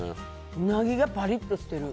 ウナギがパリッとしてる。